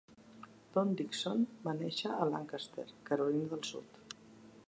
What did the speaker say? Don Dixon va néixer a Lancaster, Carolina del Sud.